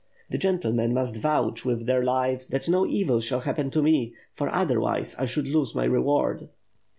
The gentlemen must vouch with their lives that no evil shall happen to me, for otherwise I should lose my reward."